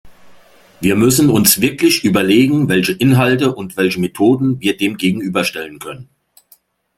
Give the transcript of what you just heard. Wir müssen uns wirklich überlegen, welche Inhalte und welche Methoden wir dem gegenüberstellen können.